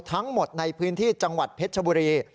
ทั้งหมดในพื้นที่จังหวัดเพชรชบุรี